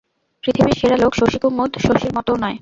পৃথিবীর সেরা লোক শশী, কুমুদ শশীর মতোও নয়।